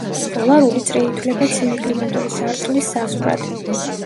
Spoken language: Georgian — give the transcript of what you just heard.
პოლარული წრე ითვლება ცივი კლიმატური სარტყლის საზღვრად.